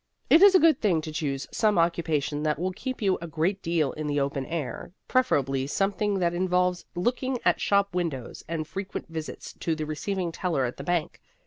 It is a good thing to choose some occupation that will keep you a great deal in the open air, preferably something that involves looking at shop windows and frequent visits to the receiving teller at the bank.